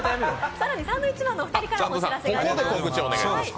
更にサンドウィッチマンのお二人からも告知があります。